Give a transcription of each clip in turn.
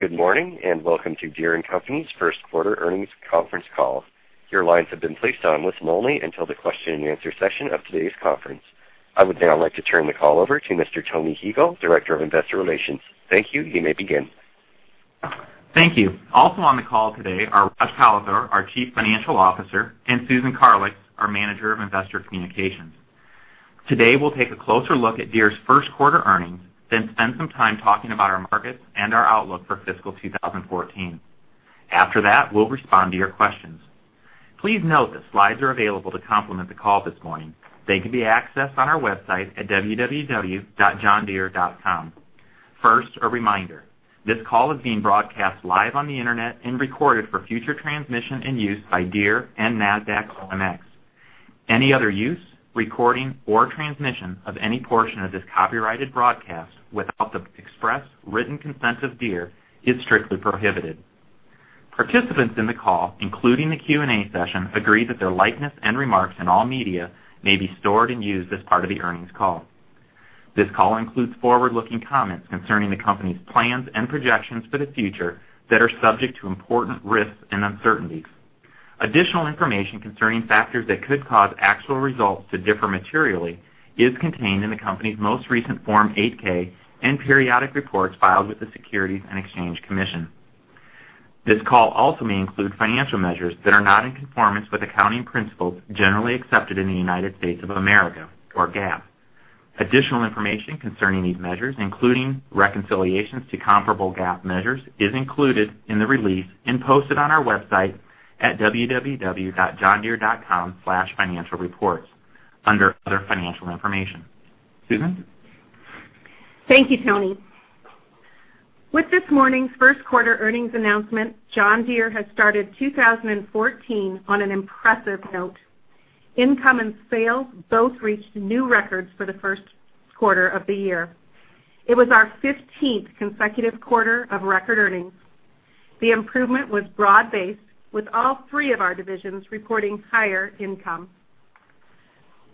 Good morning, welcome to Deere & Company's first quarter earnings conference call. Your lines have been placed on listen only until the question and answer session of today's conference. I would now like to turn the call over to Mr. Tony Huegel, Director of Investor Relations. Thank you. You may begin. Thank you. Also on the call today are Raj Kalathur, our Chief Financial Officer, and Susan Karlix, our Manager of Investor Communications. Today, we'll take a closer look at Deere's first quarter earnings, then spend some time talking about our markets and our outlook for fiscal 2014. After that, we'll respond to your questions. Please note that slides are available to complement the call this morning. They can be accessed on our website at www.johndeere.com. First, a reminder, this call is being broadcast live on the internet and recorded for future transmission and use by Deere and NASDAQ OMX. Any other use, recording, or transmission of any portion of this copyrighted broadcast without the express written consent of Deere is strictly prohibited. Participants in the call, including the Q&A session, agree that their likeness and remarks in all media may be stored and used as part of the earnings call. This call includes forward-looking comments concerning the company's plans and projections for the future that are subject to important risks and uncertainties. Additional information concerning factors that could cause actual results to differ materially is contained in the company's most recent Form 8-K and periodic reports filed with the Securities and Exchange Commission. This call also may include financial measures that are not in conformance with accounting principles generally accepted in the United States of America, or GAAP. Additional information concerning these measures, including reconciliations to comparable GAAP measures, is included in the release and posted on our website at www.johndeere.com/financialreports under Other Financial Information. Susan? Thank you, Tony. With this morning's first quarter earnings announcement, John Deere has started 2014 on an impressive note. Income and sales both reached new records for the first quarter of the year. It was our 15th consecutive quarter of record earnings. The improvement was broad-based, with all three of our divisions reporting higher income.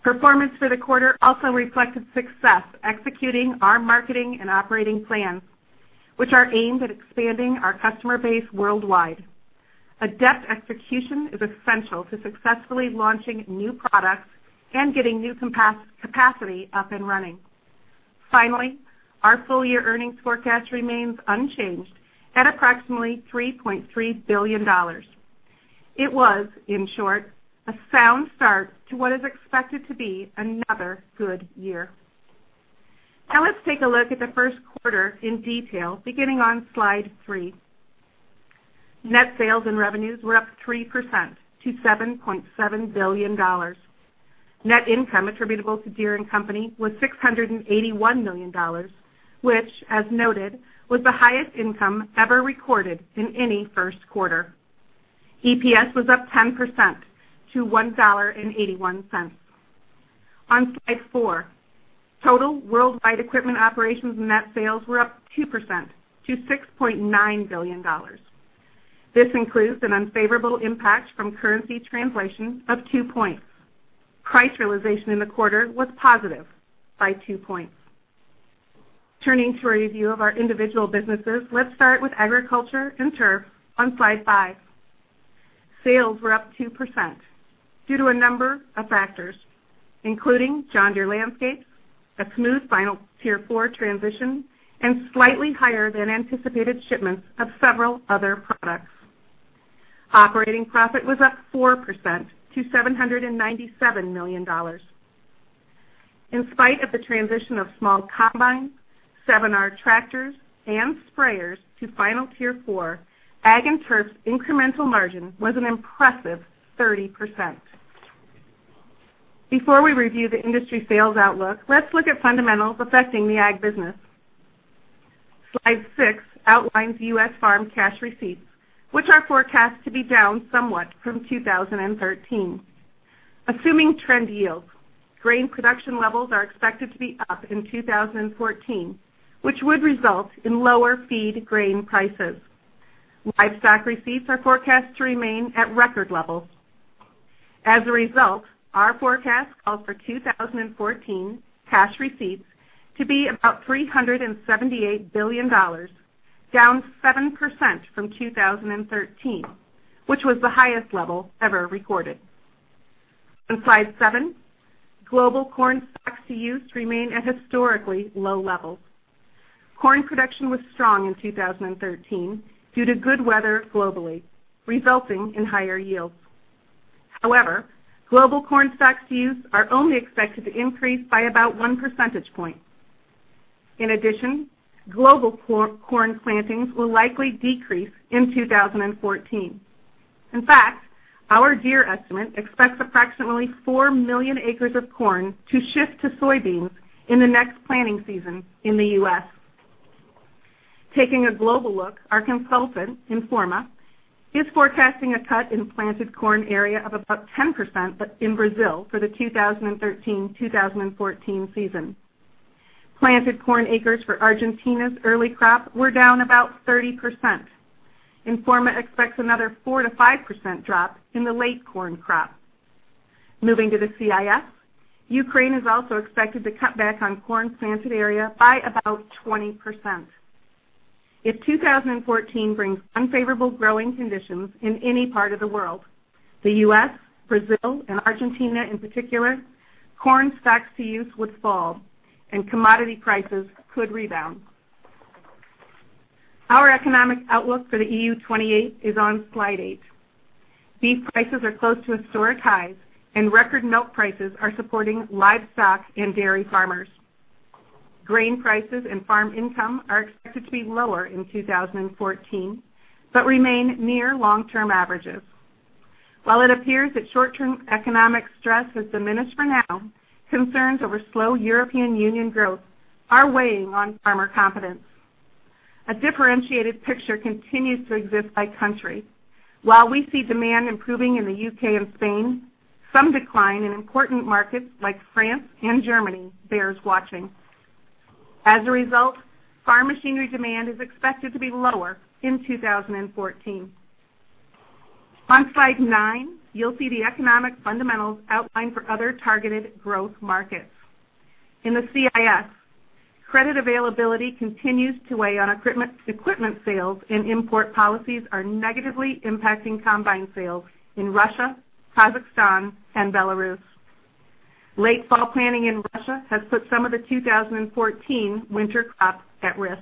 Performance for the quarter also reflected success executing our marketing and operating plans, which are aimed at expanding our customer base worldwide. Adept execution is essential to successfully launching new products and getting new capacity up and running. Finally, our full-year earnings forecast remains unchanged at approximately $3.3 billion. It was, in short, a sound start to what is expected to be another good year. Now let's take a look at the first quarter in detail beginning on slide three. Net sales and revenues were up 3% to $7.7 billion. Net income attributable to Deere & Company was $681 million, which, as noted, was the highest income ever recorded in any first quarter. EPS was up 10% to $1.81. On slide four, total worldwide equipment operations net sales were up 2% to $6.9 billion. This includes an unfavorable impact from currency translation of two points. Price realization in the quarter was positive by two points. Turning to a review of our individual businesses, let's start with Agriculture & Turf on slide five. Sales were up 2% due to a number of factors, including John Deere Landscapes, a smooth final Tier 4 transition, and slightly higher than anticipated shipments of several other products. Operating profit was up 4% to $797 million. In spite of the transition of small combines, 7R tractors, and sprayers to final Tier 4, Ag & Turf's incremental margin was an impressive 30%. Before we review the industry sales outlook, let's look at fundamentals affecting the ag business. Slide six outlines U.S. farm cash receipts, which are forecast to be down somewhat from 2013. Assuming trend yields, grain production levels are expected to be up in 2014, which would result in lower feed grain prices. Livestock receipts are forecast to remain at record levels. Our forecast calls for 2014 cash receipts to be about $378 billion, down 7% from 2013, which was the highest level ever recorded. On slide seven, global corn stocks to use remain at historically low levels. Corn production was strong in 2013 due to good weather globally, resulting in higher yields. Global corn stocks to use are only expected to increase by about one percentage point. Global corn plantings will likely decrease in 2014. Our Deere estimate expects approximately four million acres of corn to shift to soybeans in the next planting season in the U.S. Taking a global look, our consultant, Informa, is forecasting a cut in planted corn area of about 10% in Brazil for the 2013-2014 season. Planted corn acres for Argentina's early crop were down about 30%. Informa expects another 4%-5% drop in the late corn crop Moving to the CIS. Ukraine is also expected to cut back on corn planted area by about 20%. If 2014 brings unfavorable growing conditions in any part of the world, the U.S., Brazil, and Argentina in particular, corn stocks to use would fall and commodity prices could rebound. Our economic outlook for the EU 28 is on slide eight. Beef prices are close to historic highs, and record milk prices are supporting livestock and dairy farmers. Grain prices and farm income are expected to be lower in 2014 but remain near long-term averages. It appears that short-term economic stress has diminished for now, concerns over slow European Union growth are weighing on farmer confidence. A differentiated picture continues to exist by country. We see demand improving in the U.K. and Spain, some decline in important markets like France and Germany bears watching. Farm machinery demand is expected to be lower in 2014. On slide nine, you'll see the economic fundamentals outlined for other targeted growth markets. In the CIS, credit availability continues to weigh on equipment sales, and import policies are negatively impacting combine sales in Russia, Kazakhstan, and Belarus. Late fall planning in Russia has put some of the 2014 winter crop at risk.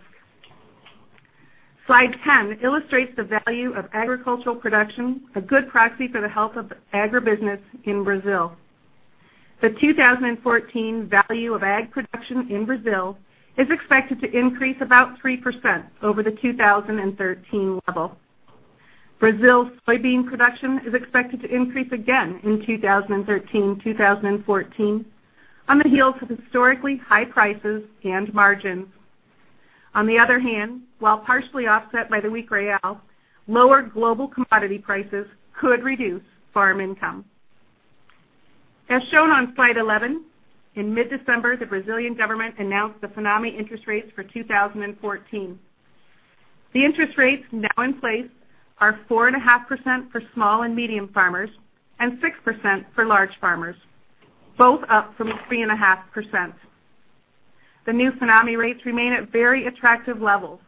Slide 10 illustrates the value of agricultural production, a good proxy for the health of agribusiness in Brazil. The 2014 value of ag production in Brazil is expected to increase about 3% over the 2013 level. Brazil's soybean production is expected to increase again in 2013-2014, on the heels of historically high prices and margins. While partially offset by the weak real, lower global commodity prices could reduce farm income. As shown on slide 11, in mid-December, the Brazilian government announced the FINAME interest rates for 2014. The interest rates now in place are 4.5% for small and medium farmers and 6% for large farmers, both up from 3.5%. The new FINAME rates remain at very attractive levels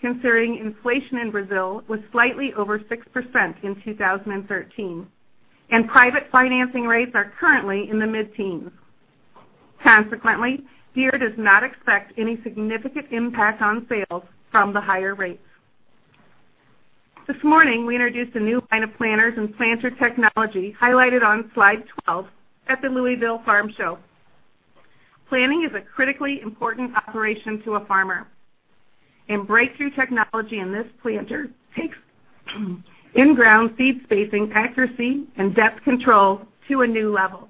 considering inflation in Brazil was slightly over 6% in 2013, and private financing rates are currently in the mid-teens. Deere does not expect any significant impact on sales from the higher rates. This morning, we introduced a new line of planters and planter technology highlighted on slide 12 at the Louisville Farm Show. Planting is a critically important operation to a farmer. Breakthrough technology in this planter takes in-ground seed spacing accuracy and depth control to a new level,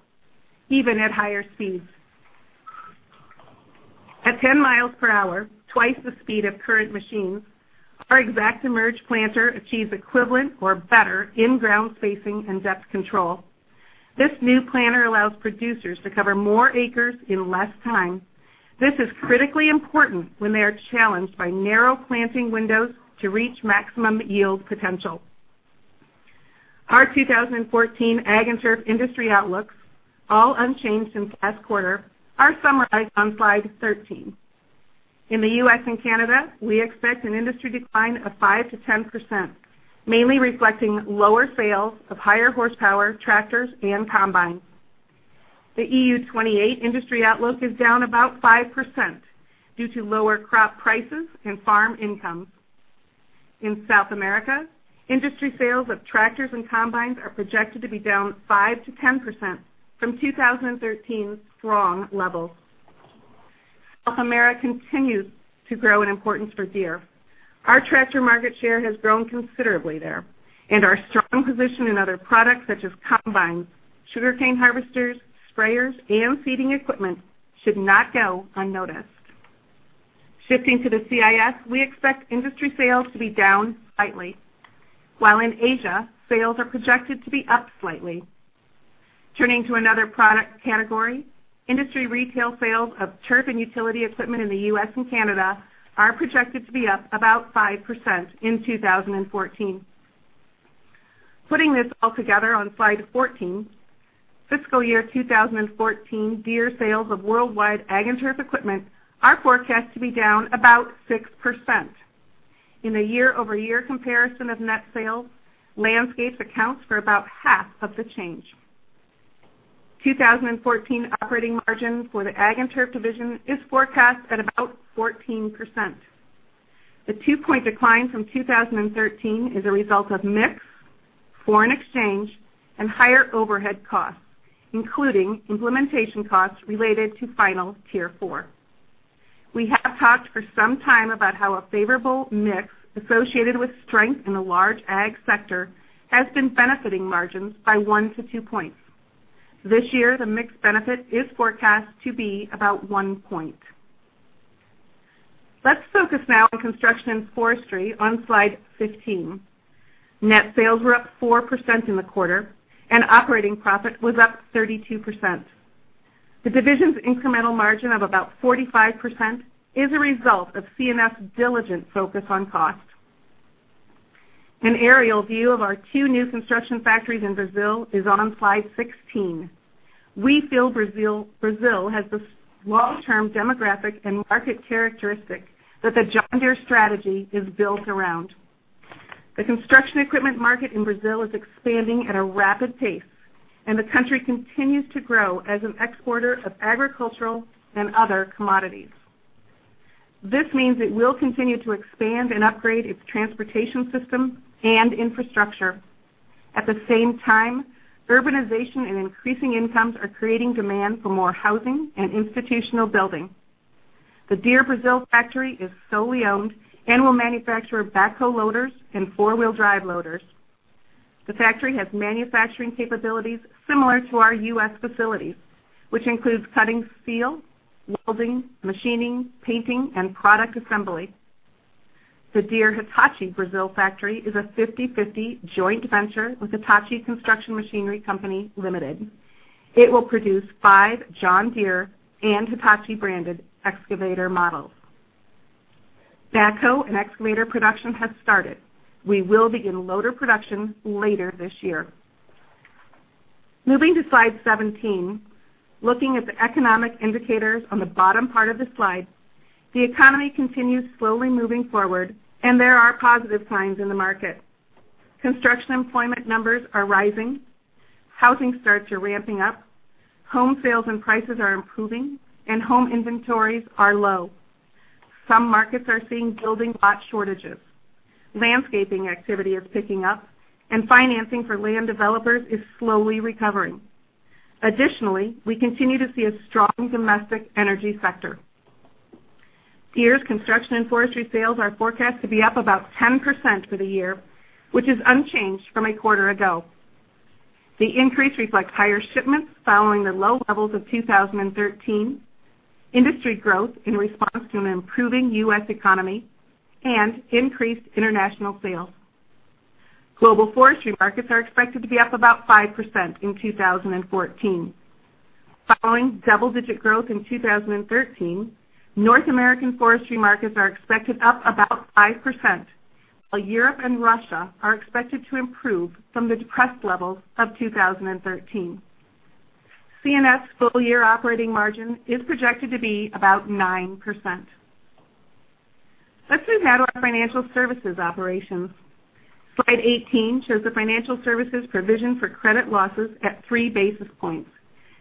even at higher speeds. At 10 miles per hour, twice the speed of current machines, our ExactEmerge planter achieves equivalent or better in-ground spacing and depth control. This new planter allows producers to cover more acres in less time. This is critically important when they are challenged by narrow planting windows to reach maximum yield potential. Our 2014 Agriculture & Turf industry outlooks, all unchanged since last quarter, are summarized on slide 13. In the U.S. and Canada, we expect an industry decline of 5%-10%, mainly reflecting lower sales of higher horsepower tractors and combines. The EU 28 industry outlook is down about 5% due to lower crop prices and farm incomes. In South America, industry sales of tractors and combines are projected to be down 5%-10% from 2013's strong levels. South America continues to grow in importance for Deere. Our tractor market share has grown considerably there. Our strong position in other products such as combines, sugarcane harvesters, sprayers, and seeding equipment should not go unnoticed. Shifting to the CIS, we expect industry sales to be down slightly. In Asia, sales are projected to be up slightly. Turning to another product category, industry retail sales of turf and utility equipment in the U.S. and Canada are projected to be up about 5% in 2014. Putting this all together on slide 14, fiscal year 2014 Deere sales of worldwide Agriculture & Turf equipment are forecast to be down about 6%. In a year-over-year comparison of net sales, Landscapes accounts for about half of the change. 2014 operating margin for the Agriculture & Turf division is forecast at about 14%. The two-point decline from 2013 is a result of mix, foreign exchange, and higher overhead costs, including implementation costs related to final Tier 4. We have talked for some time about how a favorable mix associated with strength in the large ag sector has been benefiting margins by one to two points. This year, the mix benefit is forecast to be about one point. Let's focus now on Construction & Forestry on slide 15. Net sales were up 4% in the quarter and operating profit was up 32%. The division's incremental margin of about 45% is a result of C&F's diligent focus on cost. An aerial view of our two new construction factories in Brazil is on slide 16. We feel Brazil has the long-term demographic and market characteristic that the John Deere strategy is built around. The construction equipment market in Brazil is expanding at a rapid pace, and the country continues to grow as an exporter of agricultural and other commodities. This means it will continue to expand and upgrade its transportation system and infrastructure. At the same time, urbanization and increasing incomes are creating demand for more housing and institutional building. The Deere Brazil factory is solely owned and will manufacture backhoe loaders and four-wheel drive loaders. The factory has manufacturing capabilities similar to our U.S. facilities, which includes cutting steel, welding, machining, painting, and product assembly. The Deere-Hitachi Brazil factory is a 50/50 joint venture with Hitachi Construction Machinery Co., Ltd. It will produce five John Deere and Hitachi-branded excavator models. Backhoe and excavator production has started. We will begin loader production later this year. Moving to slide 17, looking at the economic indicators on the bottom part of the slide, the economy continues slowly moving forward and there are positive signs in the market. Construction employment numbers are rising, housing starts are ramping up, home sales and prices are improving, and home inventories are low. Some markets are seeing building lot shortages. Landscaping activity is picking up, and financing for land developers is slowly recovering. Additionally, we continue to see a strong domestic energy sector. Deere's Construction & Forestry sales are forecast to be up about 10% for the year, which is unchanged from a quarter ago. The increase reflects higher shipments following the low levels of 2013, industry growth in response to an improving U.S. economy, and increased international sales. Global forestry markets are expected to be up about 5% in 2014. Following double-digit growth in 2013, North American forestry markets are expected up about 5%, while Europe and Russia are expected to improve from the depressed levels of 2013. C&F's full-year operating margin is projected to be about 9%. Let's move now to our Financial Services operations. Slide 18 shows the Financial Services provision for credit losses at three basis points,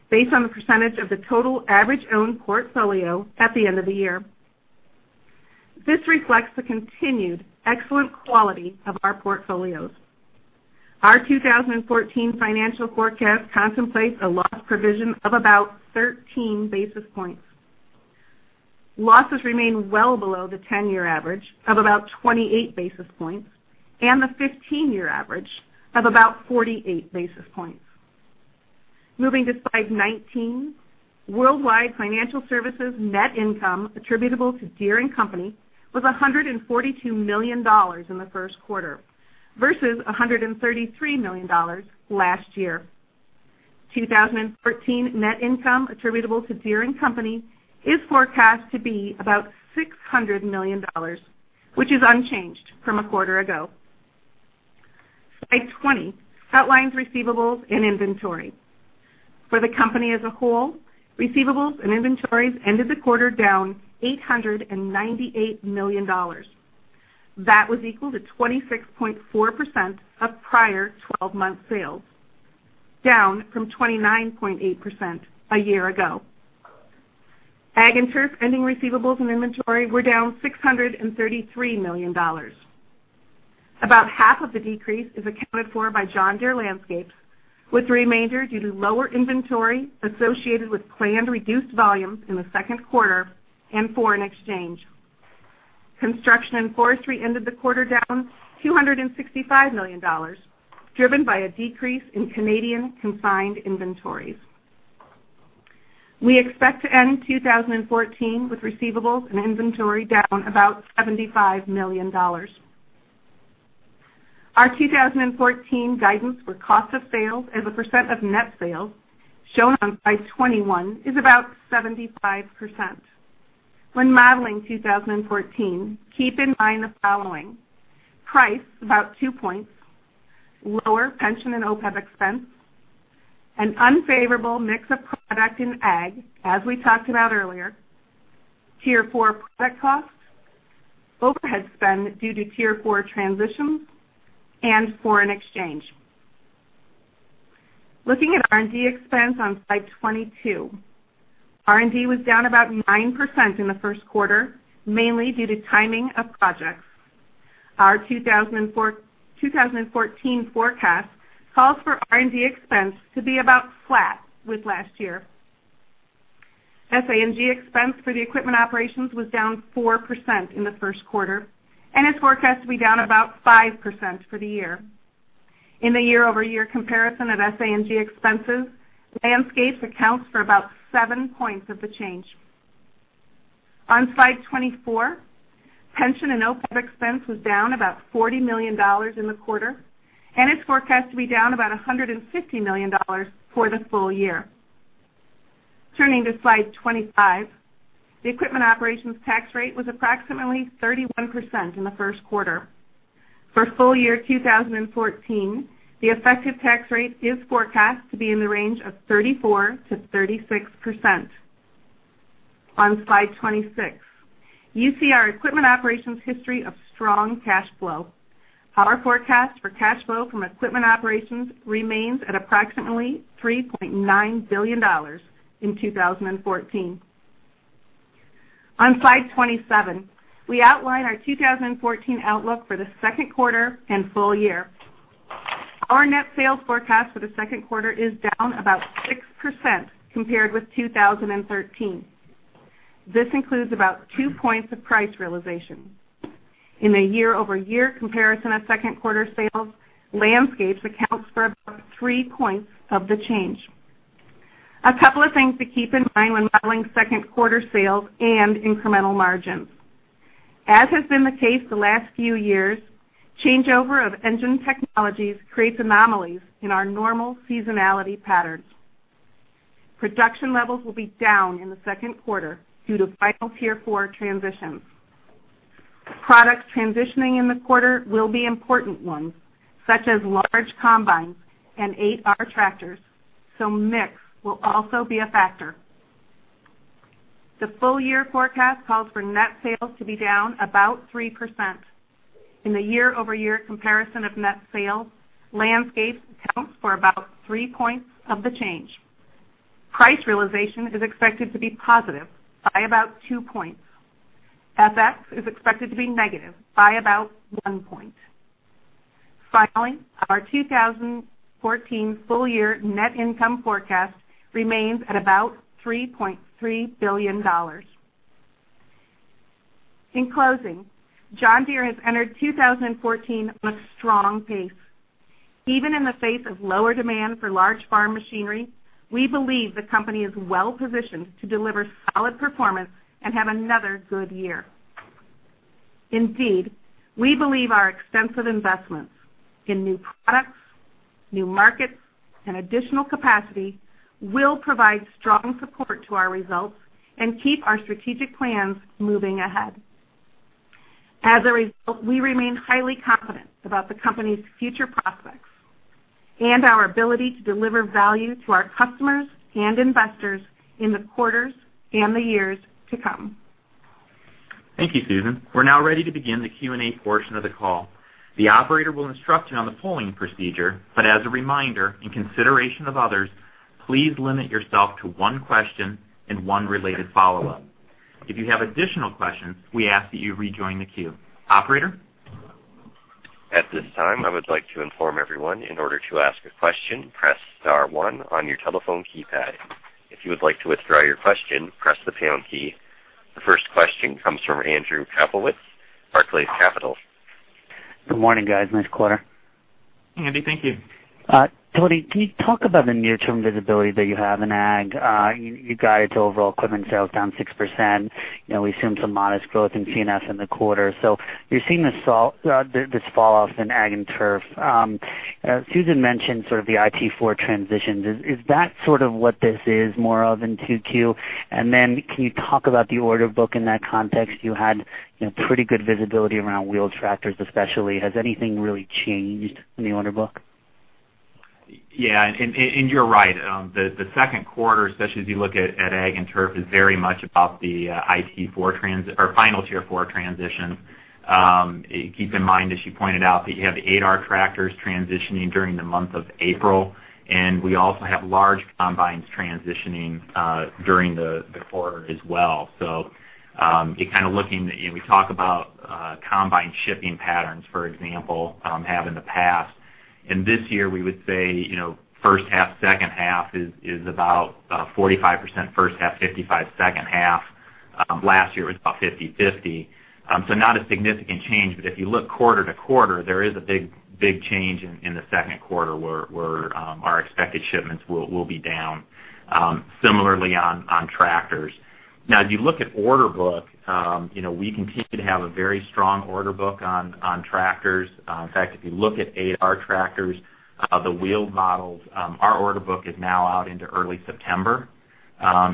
based on the percentage of the total average owned portfolio at the end of the year. This reflects the continued excellent quality of our portfolios. Our 2014 financial forecast contemplates a loss provision of about 13 basis points. Losses remain well below the 10-year average of about 28 basis points and the 15-year average of about 48 basis points. Moving to slide 19, worldwide Financial Services net income attributable to Deere & Company was $142 million in the first quarter versus $133 million last year. 2014 net income attributable to Deere & Company is forecast to be about $600 million, which is unchanged from a quarter ago. Slide 20 outlines receivables and inventory. For the company as a whole, receivables and inventories ended the quarter down $898 million. That was equal to 26.4% of prior 12-month sales, down from 29.8% a year ago. Ag & Turf ending receivables and inventory were down $633 million. About half of the decrease is accounted for by John Deere Landscapes, with the remainder due to lower inventory associated with planned reduced volumes in the second quarter and foreign exchange. Construction & Forestry ended the quarter down $265 million, driven by a decrease in Canadian consigned inventories. We expect to end 2014 with receivables and inventory down about $75 million. Our 2014 guidance for cost of sales as a percent of net sales, shown on slide 21, is about 75%. When modeling 2014, keep in mind the following. Price, about two points, lower pension and OPEB expense, an unfavorable mix of product in Ag, as we talked about earlier, Tier 4 product costs, overhead spend due to Tier 4 transitions, and foreign exchange. Looking at R&D expense on slide 22. R&D was down about 9% in the first quarter, mainly due to timing of projects. Our 2014 forecast calls for R&D expense to be about flat with last year. S&A expense for the equipment operations was down 4% in the first quarter and is forecast to be down about 5% for the year. In the year-over-year comparison of S&A expenses, Landscapes accounts for about seven points of the change. On slide 24, pension and OPEB expense was down about $40 million in the quarter, and it's forecast to be down about $150 million for the full year. Turning to slide 25, the equipment operations tax rate was approximately 31% in the first quarter. For full year 2014, the effective tax rate is forecast to be in the range of 34%-36%. On slide 26, you see our equipment operations history of strong cash flow. Our forecast for cash flow from equipment operations remains at approximately $3.9 billion in 2014. On slide 27, we outline our 2014 outlook for the second quarter and full year. Our net sales forecast for the second quarter is down about 6% compared with 2013. This includes about two points of price realization. In a year-over-year comparison of second quarter sales, Landscapes accounts for about three points of the change. A couple of things to keep in mind when modeling second quarter sales and incremental margins. As has been the case the last few years, changeover of engine technologies creates anomalies in our normal seasonality patterns. Production levels will be down in the second quarter due to final Tier 4 transitions. Products transitioning in the quarter will be important ones, such as large combines and 8R tractors, so mix will also be a factor. The full year forecast calls for net sales to be down about 3%. In the year-over-year comparison of net sales, Landscapes accounts for about three points of the change. Price realization is expected to be positive by about two points. FX is expected to be negative by about one point. Finally, our 2014 full year net income forecast remains at about $3.3 billion. In closing, John Deere has entered 2014 on a strong pace. Even in the face of lower demand for large farm machinery, we believe the company is well-positioned to deliver solid performance and have another good year. Indeed, we believe our extensive investments in new products, new markets, and additional capacity will provide strong support to our results and keep our strategic plans moving ahead. As a result, we remain highly confident about the company's future prospects and our ability to deliver value to our customers and investors in the quarters and the years to come. Thank you, Susan. We're now ready to begin the Q&A portion of the call. The operator will instruct you on the polling procedure, as a reminder, in consideration of others, please limit yourself to one question and one related follow-up. If you have additional questions, we ask that you rejoin the queue. Operator? At this time, I would like to inform everyone in order to ask a question, press *1 on your telephone keypad. If you would like to withdraw your question, press the pound key. The first question comes from Andrew Kaplowitz, Barclays Capital. Good morning, guys. Nice quarter. Andy, thank you. Tony, can you talk about the near-term visibility that you have in ag? You guided overall equipment sales down 6%. We assume some modest growth in C&F in the quarter. You're seeing this fall-off in ag and turf. Susan mentioned sort of the IT4 transitions. Is that sort of what this is more of in 2Q? Can you talk about the order book in that context? You had pretty good visibility around wheeled tractors especially. Has anything really changed in the order book? Yeah, you're right. The second quarter, especially as you look at ag and turf, is very much about the final Tier 4 transition. Keep in mind, as you pointed out, that you have 8R tractors transitioning during the month of April, and we also have large combines transitioning during the quarter as well. We talk about combine shipping patterns, for example, have in the past. This year we would say first half, second half is about 45% first half, 55% second half. Last year it was about 50/50. Not a significant change, but if you look quarter-to-quarter, there is a big change in the second quarter where our expected shipments will be down. Similarly on tractors. Now, as you look at order book we continue to have a very strong order book on tractors. In fact, if you look at 8R tractors, the wheeled models our order book is now out into early September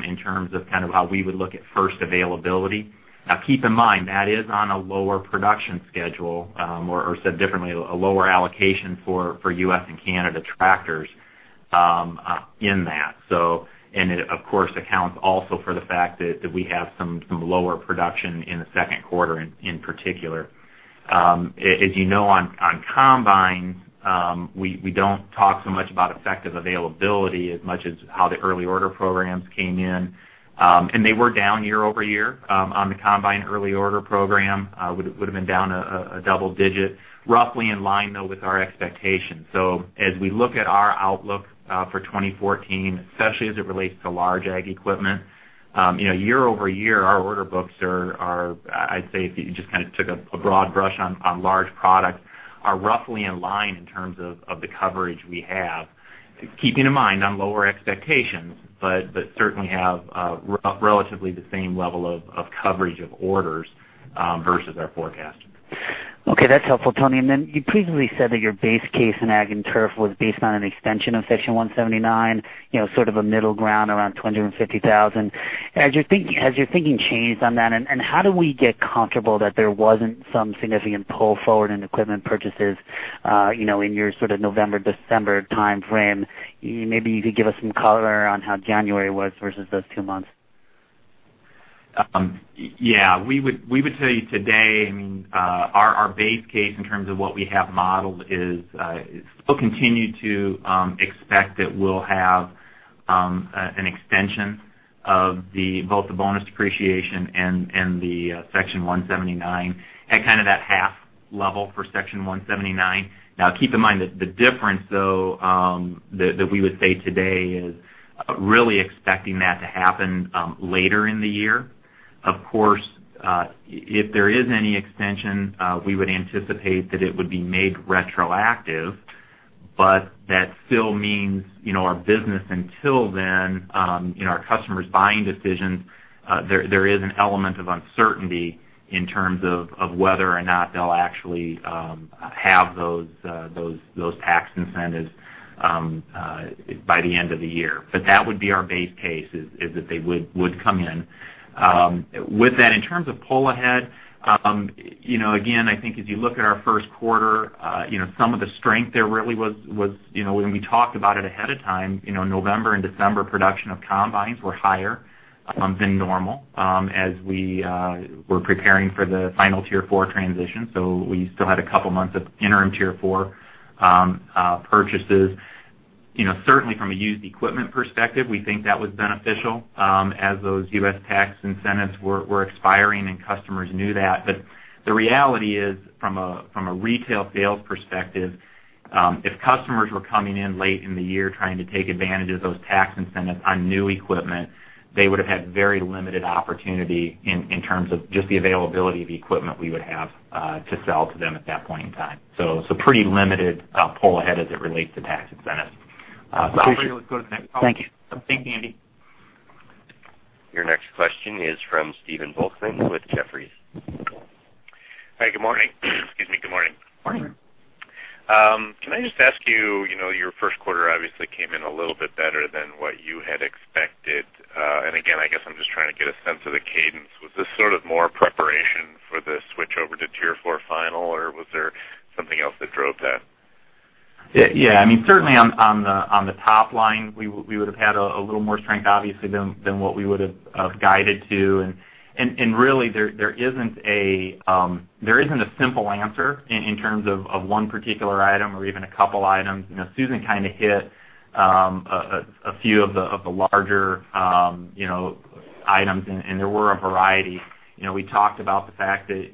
in terms of kind of how we would look at first availability. Now keep in mind, that is on a lower production schedule or said differently, a lower allocation for U.S. and Canada tractors in that. It, of course, accounts also for the fact that we have some lower production in the second quarter in particular. As you know, on combines we don't talk so much about effective availability as much as how the early order programs came in. They were down year-over-year on the combine early order program. Would've been down a double-digit. Roughly in line though with our expectations. As we look at our outlook for 2014, especially as it relates to large ag equipment year-over-year our order books are, I'd say if you just kind of took a broad brush on large products, are roughly in line in terms of the coverage we have, keeping in mind on lower expectations, but certainly have relatively the same level of coverage of orders versus our forecast. Okay, that's helpful, Tony. You previously said that your base case in Agriculture & Turf was based on an extension of Section 179, sort of a middle ground around 250,000. Has your thinking changed on that, and how do we get comfortable that there wasn't some significant pull forward in equipment purchases in your sort of November, December timeframe? Maybe you could give us some color on how January was versus those two months. Yeah. We would say today, our base case in terms of what we have modeled is still continue to expect that we'll have an extension of both the bonus depreciation and the Section 179 at kind of that half level for Section 179. Keep in mind that the difference, though, that we would say today is really expecting that to happen later in the year. Of course, if there is any extension, we would anticipate that it would be made retroactive. That still means our business until then, our customers' buying decisions, there is an element of uncertainty in terms of whether or not they'll actually have those tax incentives by the end of the year. That would be our base case, is that they would come in. With that, in terms of pull ahead, again, I think as you look at our first quarter, some of the strength there really was when we talked about it ahead of time, November and December production of combines were higher than normal as we were preparing for the final Tier 4 transition. We still had a couple months of Interim Tier 4 purchases. Certainly from a used equipment perspective, we think that was beneficial as those U.S. tax incentives were expiring and customers knew that. The reality is, from a retail sales perspective, if customers were coming in late in the year trying to take advantage of those tax incentives on new equipment, they would have had very limited opportunity in terms of just the availability of the equipment we would have to sell to them at that point in time. It's a pretty limited pull ahead as it relates to tax incentives. Appreciate it. Operator, let's go to the next caller. Thank you. Thanks, Andy. Your next question is from Stephen Volkmann with Jefferies. Hi, good morning. Excuse me. Good morning. Morning. Can I just ask you, your first quarter obviously came in a little bit better than what you had expected. Again, I guess I'm just trying to get a sense of the cadence. Was this sort of more preparation for the switch over to Tier 4 final, or was there something else that drove that? Yeah. Certainly on the top line, we would have had a little more strength, obviously, than what we would've guided to. Really, there isn't a simple answer in terms of one particular item or even a couple items. Susan kind of hit a few of the larger items, there were a variety. We talked about the fact that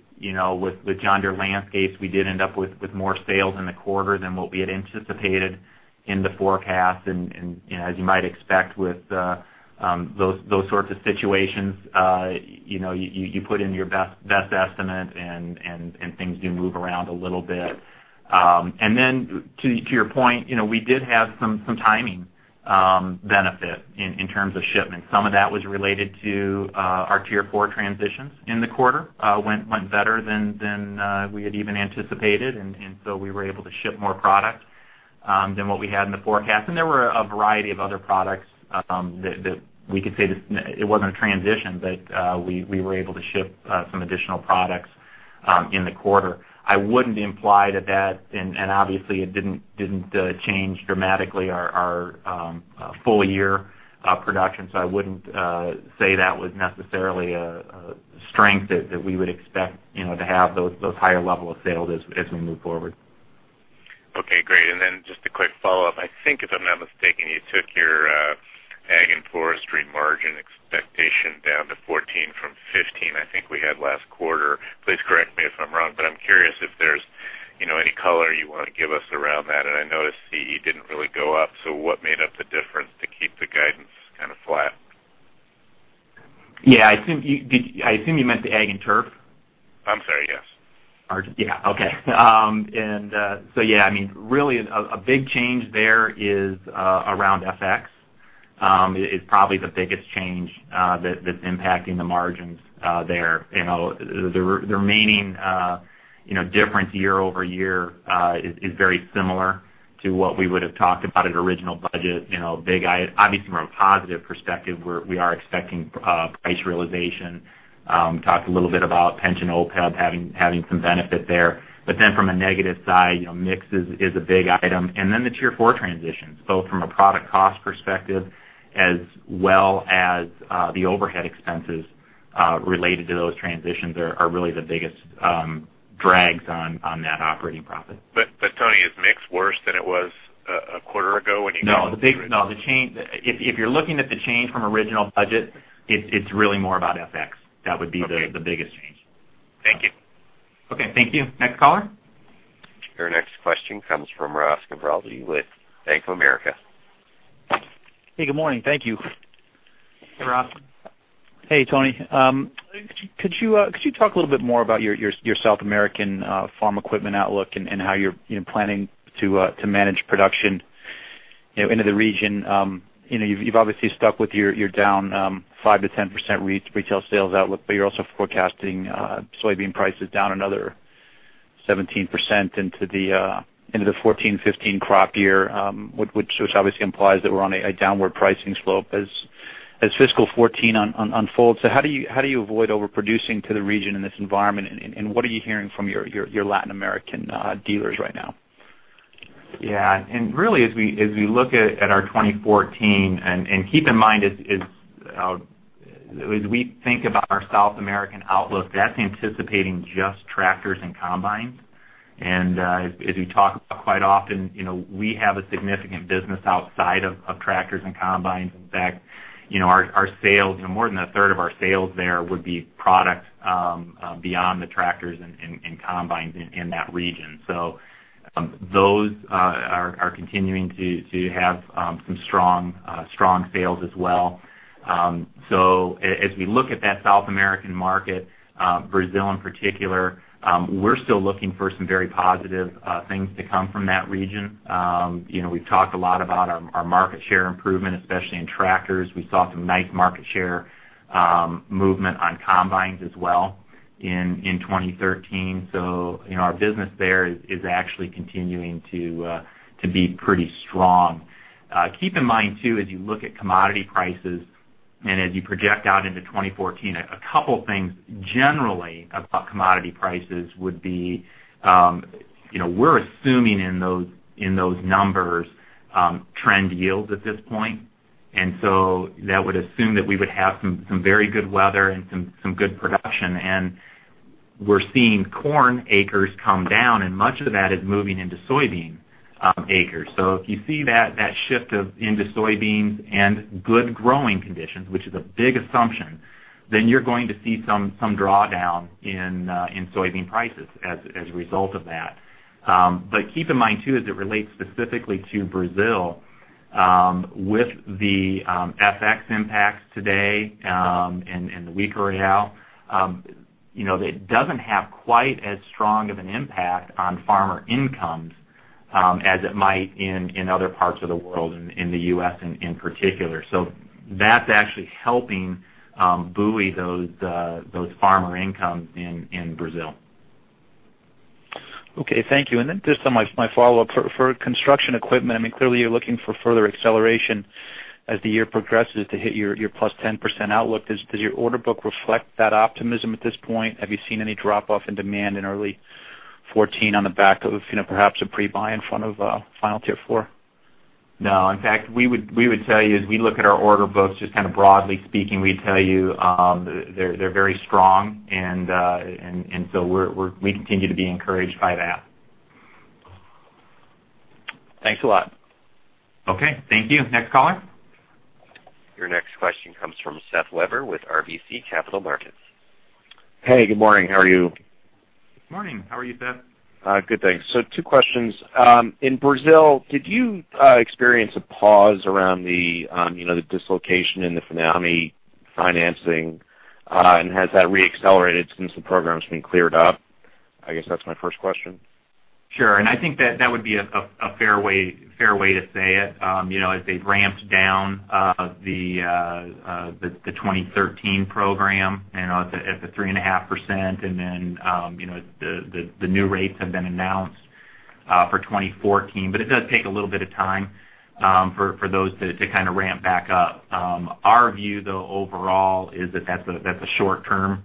with John Deere Landscapes, we did end up with more sales in the quarter than what we had anticipated in the forecast. As you might expect with those sorts of situations, you put in your best estimate and things do move around a little bit. Then to your point, we did have some timing benefit in terms of shipments. Some of that was related to our Tier 4 transitions in the quarter went better than we had even anticipated. We were able to ship more product than what we had in the forecast. There were a variety of other products that we could say it wasn't a transition, but we were able to ship some additional products in the quarter. I wouldn't imply to that, and obviously it didn't change dramatically our full year production. I wouldn't say that was necessarily a strength that we would expect to have those higher level of sales as we move forward. Okay, great. Just a quick follow-up. I think if I'm not mistaken, you took your Ag and Forestry margin expectation down to 14% from 15% I think we had last quarter. Please correct me if I'm wrong, but I'm curious if there's any color you want to give us around that. I noticed the EPS didn't really go up, so what made up the difference to keep the guidance kind of flat? Yeah. I assume you meant the Agriculture & Turf? I'm sorry, yes. Okay. Really a big change there is around FX. It is probably the biggest change that is impacting the margins there. The remaining difference year-over-year is very similar to what we would have talked about at original budget. Obviously from a positive perspective, we are expecting price realization. Talked a little bit about pension OPEB having some benefit there. From a negative side, mix is a big item. The Tier 4 transitions, both from a product cost perspective as well as the overhead expenses related to those transitions are really the biggest drags on that operating profit. Tony, is mix worse than it was a quarter ago when you guys- No. If you're looking at the change from original budget, it's really more about FX. That would be the biggest change. Thank you. Okay, thank you. Next caller. Your next question comes from Ross Gilardi with Bank of America. Hey, good morning. Thank you. Hey, Ross. Hey, Tony. Could you talk a little bit more about your South American farm equipment outlook and how you're planning to manage production into the region. You've obviously stuck with your down 5%-10% retail sales outlook, you're also forecasting soybean prices down another 17% into the 2014-2015 crop year, which obviously implies that we're on a downward pricing slope as fiscal 2014 unfolds. How do you avoid overproducing to the region in this environment, and what are you hearing from your Latin American dealers right now? Yeah. Really, as we look at our 2014, and keep in mind, as we think about our South American outlook, that's anticipating just tractors and combines. As we talk about quite often, we have a significant business outside of tractors and combines. In fact, more than a third of our sales there would be product beyond the tractors and combines in that region. Those are continuing to have some strong sales as well. As we look at that South American market, Brazil in particular, we're still looking for some very positive things to come from that region. We've talked a lot about our market share improvement, especially in tractors. We saw some nice market share movement on combines as well in 2013. Our business there is actually continuing to be pretty strong. Keep in mind too, as you look at commodity prices and as you project out into 2014, a couple things generally about commodity prices would be, we're assuming in those numbers trend yields at this point. That would assume that we would have some very good weather and some good production. We're seeing corn acres come down, and much of that is moving into soybean acres. If you see that shift into soybeans and good growing conditions, which is a big assumption, then you're going to see some drawdown in soybean prices as a result of that. Keep in mind too, as it relates specifically to Brazil, with the FX impacts today and the weaker real, that it doesn't have quite as strong of an impact on farmer incomes as it might in other parts of the world, in the U.S. in particular. That's actually helping buoy those farmer incomes in Brazil. Okay, thank you. Just on my follow-up, for construction equipment, clearly you're looking for further acceleration as the year progresses to hit your +10% outlook. Does your order book reflect that optimism at this point? Have you seen any drop-off in demand in early 2014 on the back of perhaps a pre-buy in front of final Tier 4? No. In fact, we would tell you, as we look at our order books, just kind of broadly speaking, we'd tell you they're very strong. We continue to be encouraged by that. Thanks a lot. Okay. Thank you. Next caller. Your next question comes from Seth Weber with RBC Capital Markets. Hey, good morning. How are you? Good morning. How are you, Seth? Good, thanks. Two questions. In Brazil, did you experience a pause around the dislocation in the FINAME financing? Has that re-accelerated since the program's been cleared up? I guess that's my first question. Sure. I think that would be a fair way to say it. As they've ramped down the 2013 program at the 3.5%, the new rates have been announced for 2014. It does take a little bit of time for those to kind of ramp back up. Our view, though, overall, is that that's a short-term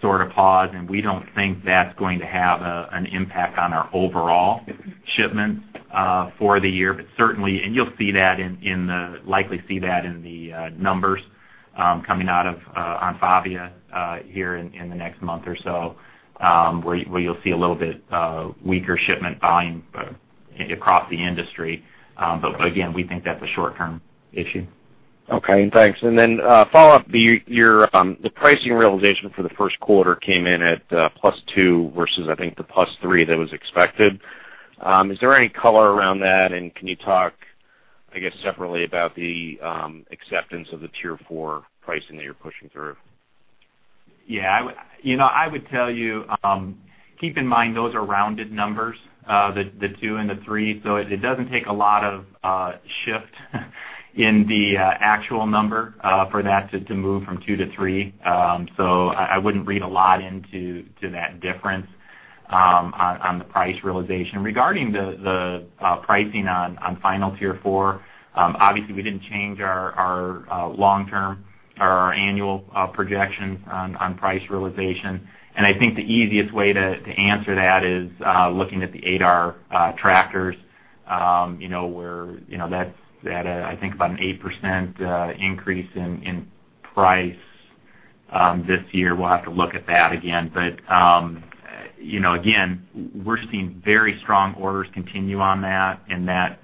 sort of pause, and we don't think that's going to have an impact on our overall shipments for the year. Certainly, you'll likely see that in the numbers coming out on FENABRAVE here in the next month or so where you'll see a little bit weaker shipment volume across the industry. Again, we think that's a short-term issue. Okay. Thanks. A follow-up. The pricing realization for the first quarter came in at +2% versus, I think, the +3% that was expected. Is there any color around that? Can you talk, I guess, separately about the acceptance of the Tier 4 pricing that you're pushing through? Yeah. I would tell you, keep in mind, those are rounded numbers, the two and the three. It doesn't take a lot of shift in the actual number for that to move from two to three. I wouldn't read a lot into that difference on the price realization. Regarding the pricing on final Tier 4, obviously we didn't change our annual projection on price realization. I think the easiest way to answer that is looking at the 8R tractors where that's at, I think, about an 8% increase in price this year. We'll have to look at that again. Again, we're seeing very strong orders continue on that, and that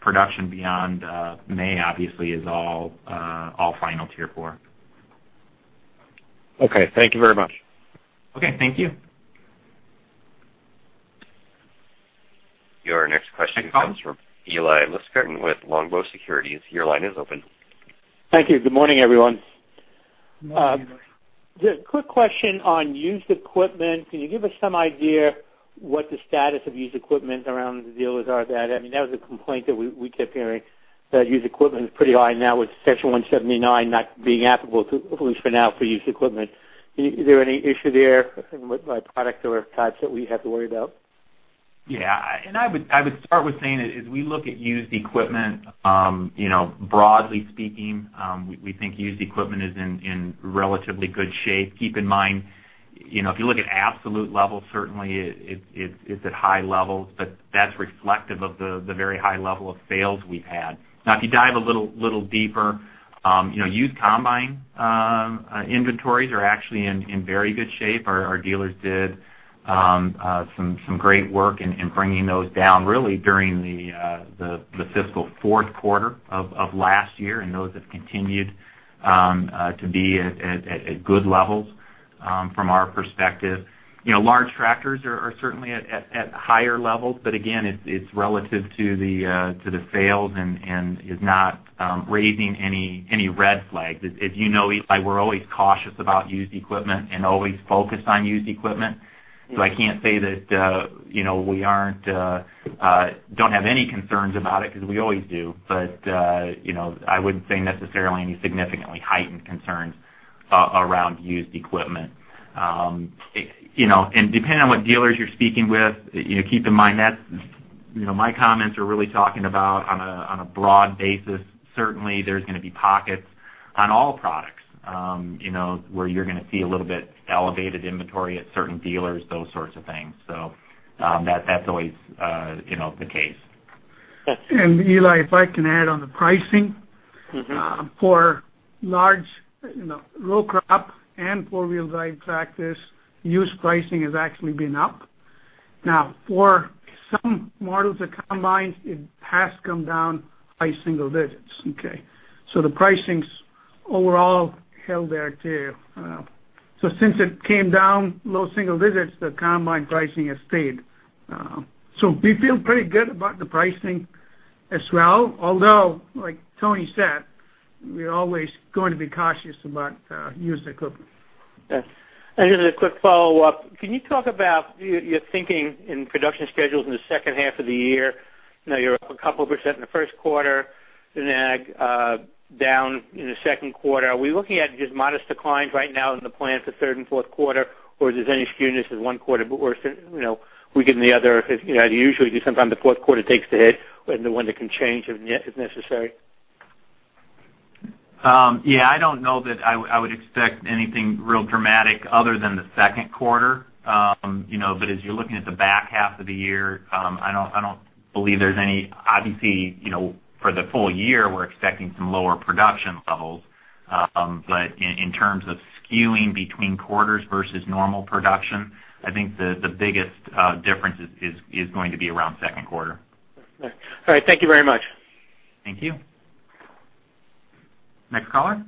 production beyond May obviously is all final Tier 4. Okay. Thank you very much. Okay. Thank you. Your next question. Next caller. comes from Eli Lustgarten with Longbow Research. Your line is open. Thank you. Good morning, everyone. Just a quick question on used equipment. Can you give us some idea what the status of used equipment around the dealers are? That was a complaint that we kept hearing, that used equipment is pretty high now with Section 179 not being applicable, at least for now, for used equipment. Is there any issue there by product or types that we have to worry about? Yeah. I would start with saying that as we look at used equipment, broadly speaking, we think used equipment is in relatively good shape. Keep in mind, if you look at absolute levels, certainly it's at high levels, but that's reflective of the very high level of sales we've had. Now, if you dive a little deeper, used combine inventories are actually in very good shape. Our dealers did some great work in bringing those down, really during the fiscal fourth quarter of last year, and those have continued to be at good levels from our perspective. Large tractors are certainly at higher levels. Again, it's relative to the sales and is not raising any red flags. As you know, Eli, we're always cautious about used equipment and always focused on used equipment. I can't say that we don't have any concerns about it, because we always do. I wouldn't say necessarily any significantly heightened concerns around used equipment. Depending on what dealers you're speaking with, keep in mind that my comments are really talking about on a broad basis. Certainly, there's going to be pockets on all products where you're going to see a little bit elevated inventory at certain dealers, those sorts of things. That's always the case. Yes. Eli, if I can add on the pricing. For large row crop and 4-wheel drive tractors, used pricing has actually been up. For some models of combines, it has come down by single digits, okay. The pricing's overall held there, too. Since it came down those single digits, the combine pricing has stayed. We feel pretty good about the pricing as well. Like Tony said, we're always going to be cautious about used equipment. Yes. Just a quick follow-up. Can you talk about your thinking in production schedules in the second half of the year? I know you're up a couple % in the first quarter, then down in the second quarter. Are we looking at just modest declines right now in the plan for third and fourth quarter, or is there any skewness as one quarter or weaker than the other? It usually do sometime the fourth quarter takes the hit and the wind that can change if necessary. Yeah, I don't know that I would expect anything real dramatic other than the second quarter. As you're looking at the back half of the year, I don't believe there's any. Obviously, for the full year, we're expecting some lower production levels. In terms of skewing between quarters versus normal production, I think the biggest difference is going to be around second quarter. All right. Thank you very much. Thank you. Next caller.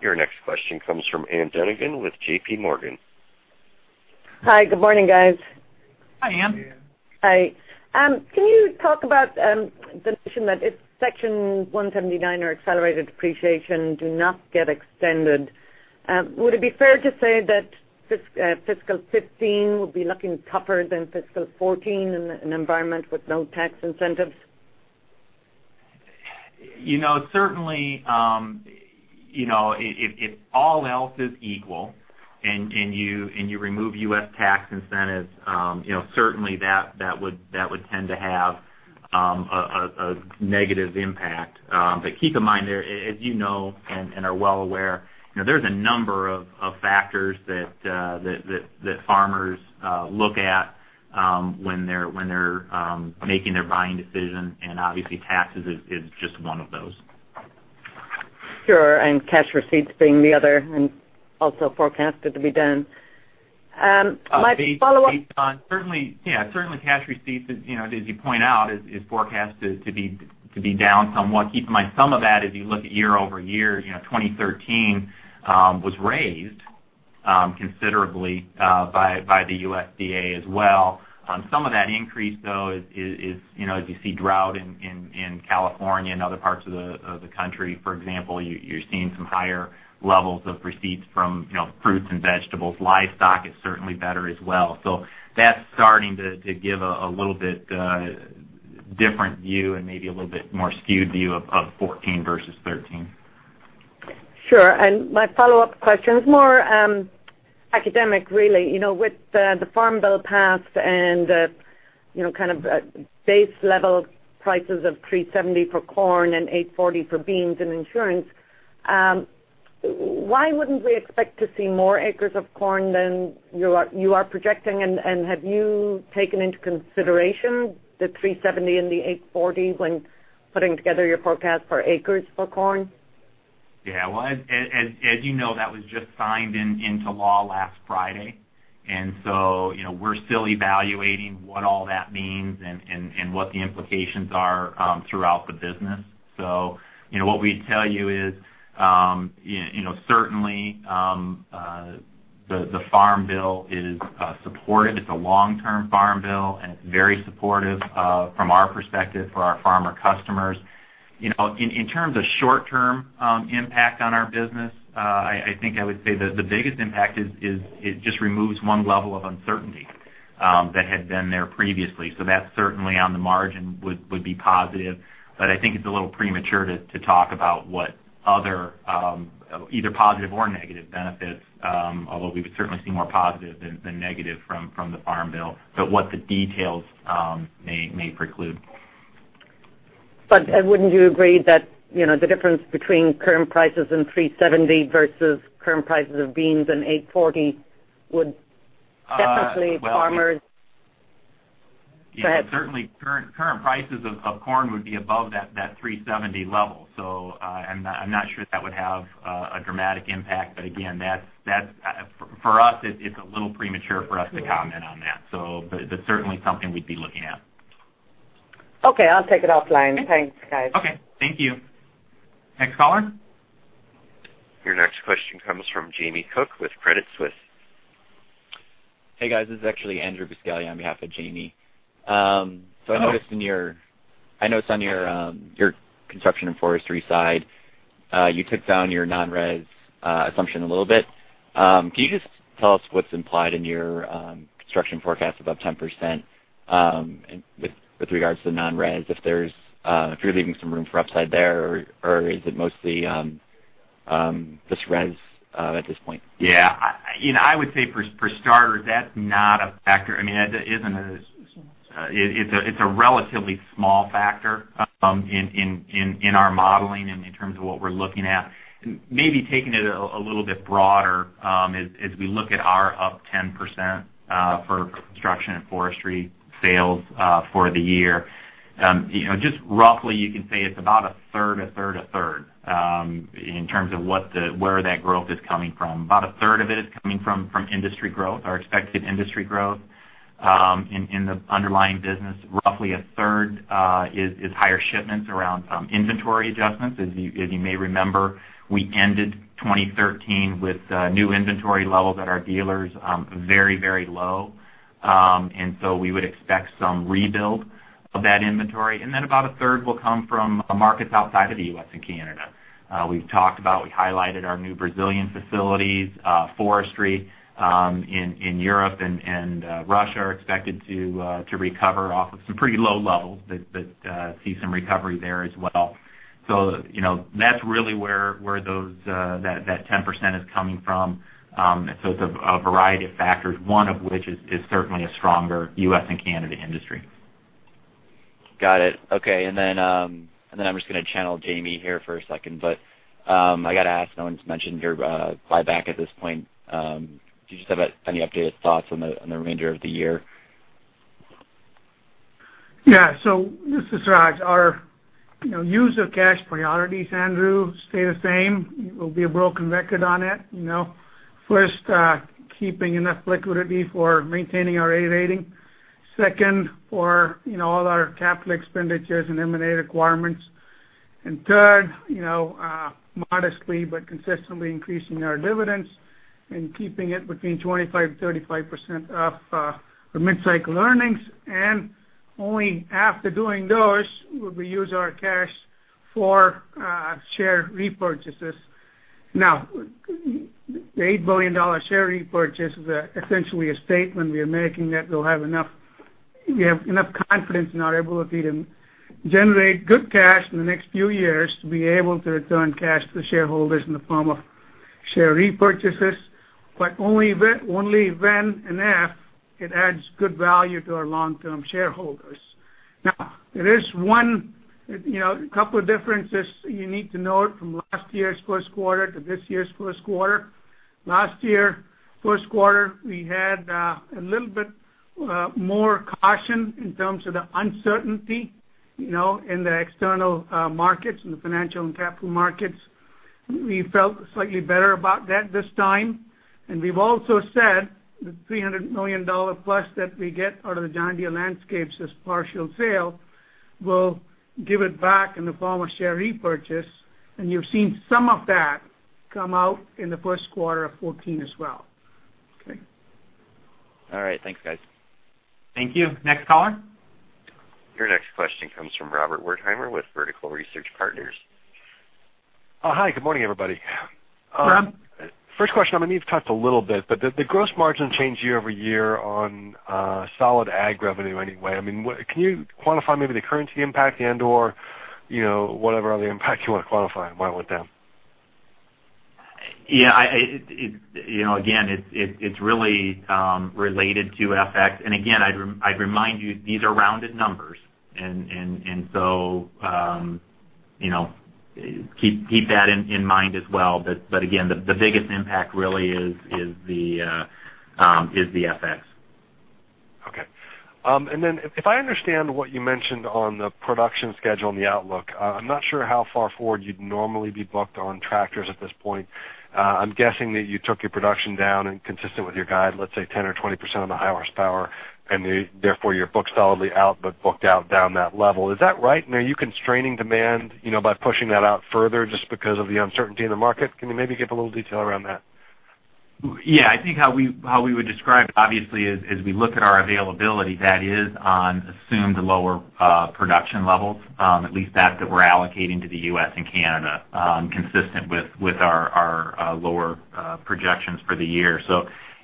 Your next question comes from Ann Duignan with J.P. Morgan. Hi, good morning, guys. Hi, Ann. Hi, Ann. Hi. Can you talk about the notion that if Section 179 or accelerated depreciation do not get extended, would it be fair to say that fiscal 2015 will be looking tougher than fiscal 2014 in an environment with no tax incentives? Certainly, if all else is equal and you remove U.S. tax incentives, certainly that would tend to have a negative impact. Keep in mind there, as you know and are well aware, there's a number of factors that farmers look at when they're making their buying decision, and obviously taxes is just one of those. Sure. Cash receipts being the other and also forecasted to be down. My follow-up. Based on, certainly, yeah. Certainly cash receipts is, as you point out, is forecasted to be down somewhat. Keep in mind, some of that, as you look at year-over-year, 2013 was raised considerably by the USDA as well. Some of that increase, though, is as you see drought in California and other parts of the country, for example, you're seeing some higher levels of receipts from fruits and vegetables. Livestock is certainly better as well. That's starting to give a little bit different view and maybe a little bit more skewed view of 2014 versus 2013. Sure. My follow-up question is more academic, really. With the Farm Bill passed and kind of base level prices of 370 for corn and 840 for beans and insurance, why wouldn't we expect to see more acres of corn than you are projecting? Have you taken into consideration the 370 and the 840 when putting together your forecast for acres for corn? Yeah. Well, as you know, that was just signed into law last Friday. We're still evaluating what all that means and what the implications are throughout the business. What we'd tell you is certainly The Farm Bill is supported. It's a long-term Farm Bill, and it's very supportive from our perspective for our farmer customers. In terms of short-term impact on our business, I think I would say the biggest impact is it just removes one level of uncertainty that had been there previously. That certainly on the margin would be positive, but I think it's a little premature to talk about what other either positive or negative benefits, although we would certainly see more positive than negative from the Farm Bill, but what the details may preclude. Wouldn't you agree that the difference between current prices and $370 versus current prices of beans and $840 would definitely farmers. Go ahead. Certainly, current prices of corn would be above that $370 level. I'm not sure if that would have a dramatic impact. Again, for us, it's a little premature for us to comment on that. That's certainly something we'd be looking at. Okay. I'll take it offline. Thanks, guys. Okay. Thank you. Next caller? Your next question comes from Jamie Cook with Credit Suisse. Hey, guys. This is actually Andrew Buscaglia on behalf of Jamie. Oh. I noticed on your Construction & Forestry side, you took down your non-res assumption a little bit. Can you just tell us what's implied in your construction forecast above 10% with regards to non-res, if you're leaving some room for upside there, or is it mostly just res at this point? Yeah. I would say for starters, that's not a factor. It's a relatively small factor in our modeling and in terms of what we're looking at. Maybe taking it a little bit broader, as we look at our up 10% for Construction & Forestry sales for the year. Just roughly, you can say it's about a third, a third, a third, in terms of where that growth is coming from. About a third of it is coming from industry growth, our expected industry growth in the underlying business. Roughly a third is higher shipments around inventory adjustments. As you may remember, we ended 2013 with new inventory levels at our dealers very, very low. We would expect some rebuild of that inventory. About a third will come from markets outside of the U.S. and Canada. We've talked about, we highlighted our new Brazilian facilities. Forestry in Europe and Russia are expected to recover off of some pretty low levels but see some recovery there as well. That's really where that 10% is coming from. It's a variety of factors, one of which is certainly a stronger U.S. and Canada industry. Got it. Okay. I'm just going to channel Jamie here for a second, but I got to ask, no one's mentioned your buyback at this point. Do you just have any updated thoughts on the remainder of the year? Yeah. This is Raj. Our use of cash priorities, Andrew, stay the same. We'll be a broken record on it. First, keeping enough liquidity for maintaining our A rating. Second, for all our capital expenditures and M&A requirements. Third, modestly but consistently increasing our dividends and keeping it between 25% to 35% of mid-cycle earnings. Only after doing those, would we use our cash for share repurchases. The $8 billion share repurchase is essentially a statement we are making that we have enough confidence in our ability to generate good cash in the next few years to be able to return cash to the shareholders in the form of share repurchases, but only when and if it adds good value to our long-term shareholders. There is a couple of differences you need to note from last year's first quarter to this year's first quarter. Last year first quarter, we had a little bit more caution in terms of the uncertainty in the external markets and the financial and capital markets. We felt slightly better about that this time. We've also said the $300 million plus that we get out of the John Deere Landscapes, this partial sale, we'll give it back in the form of share repurchase, and you've seen some of that come out in the first quarter of 2014 as well. Okay. All right. Thanks, guys. Thank you. Next caller. Your next question comes from Robert Wertheimer with Vertical Research Partners. Hi. Good morning, everybody. Rob. First question, I know you've touched a little bit. The gross margin change year-over-year on solid ag revenue, anyway. Can you quantify maybe the currency impact and/or whatever other impact you want to qualify might went down? Yeah. Again, it's really related to FX. Again, I'd remind you, these are rounded numbers. Keep that in mind as well. Again, the biggest impact really is the FX. Okay. If I understand what you mentioned on the production schedule and the outlook, I'm not sure how far forward you'd normally be booked on tractors at this point. I'm guessing that you took your production down consistent with your guide, let's say 10% or 20% on the high horsepower, you're booked solidly out, but booked out down that level. Is that right? Are you constraining demand by pushing that out further just because of the uncertainty in the market? Can you maybe give a little detail around that? Yeah. I think how we would describe it, obviously, is we look at our availability that is on assumed lower production levels, at least that we're allocating to the U.S. and Canada, consistent with our lower projections for the year.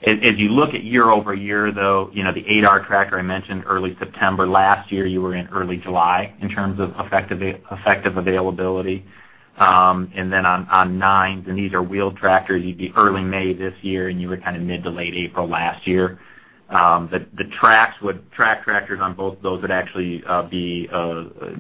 If you look at year-over-year though, the 8R tractor I mentioned early September last year, you were in early July in terms of effective availability. On nines, and these are wheel tractors, you'd be early May this year, and you were kind of mid to late April last year. The track tractors on both those would actually be closer